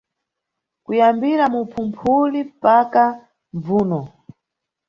Kuyambira mu Phumphuli mpaka Mbvuno.